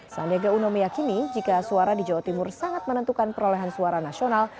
sandiaga uno meyakini jika suara di jawa timur sangat menentukan perolehan suara nasional